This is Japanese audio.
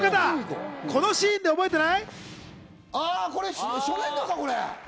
そう、この方、このシーンで覚えてない？